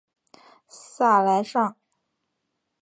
萨莱尚。